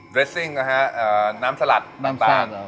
โดรสระนำสลัดต่าง